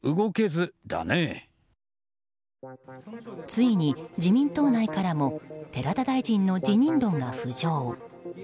ついに自民党内からも寺田大臣の辞任論が浮上。